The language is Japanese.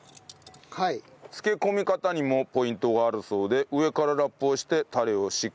漬け込み方にもポイントがあるそうで上からラップをしてタレをしっかり染み込ませると。